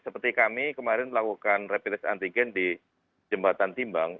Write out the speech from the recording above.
seperti kami kemarin melakukan replis antigen di jembatan timbang